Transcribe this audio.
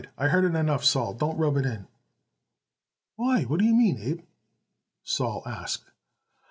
"I heard enough, Sol. Don't rub it in." "Why, what do you mean, Abe?" Sol asked.